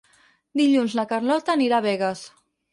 Dilluns na Carlota anirà a Begues.